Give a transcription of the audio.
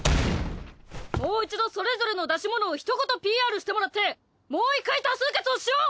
もう一度それぞれの出し物をひと言ＰＲしてもらってもう一回多数決をしよう！